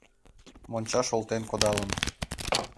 Мончаш олтен кодалын